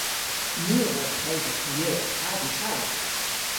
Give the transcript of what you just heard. Ni a wor kewsel Kernewek hag Italek.